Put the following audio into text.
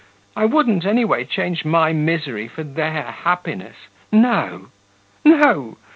I wouldn't, any way, change my misery for their happiness ... no! no!...